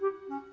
ya ya gak